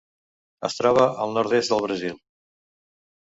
Es troba al nord-est del Brasil.